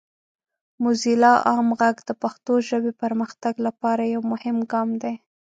موزیلا عام غږ د پښتو ژبې پرمختګ لپاره یو مهم ګام دی.